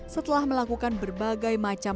setelah melakukan berbagai macam